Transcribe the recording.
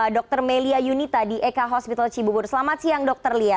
dr melia yunita di ek hospital cibubur selamat siang dr lia